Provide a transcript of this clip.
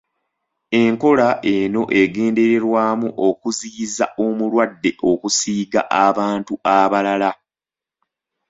Enkola eno egendererwamu okuziyiza omulwadde okusiiga abantu abalala.